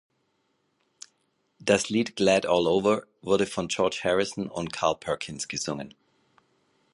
Das Lied "Glad All Over" wurde von George Harrison und Carl Perkins gesungen.